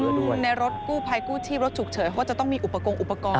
ใช่ครับเพราะว่าในรถกู้ภัยกู้ทีบรถฉุกเฉยเพราะว่าจะต้องมีอุปกรณ์